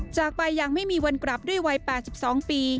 จากไปยังไม่มีวันกลับด้วยวัยแปดสิบสองปี